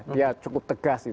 dia cukup tegas